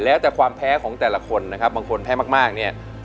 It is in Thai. แล้วแต่ความแพ้ของแต่ละคนนะครับบางคนแพ้มากเนี่ย